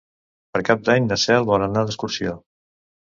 Per Cap d'Any na Cel vol anar d'excursió.